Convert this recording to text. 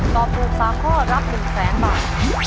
ตอบถูก๓ข้อรับ๑๐๐๐๐บาท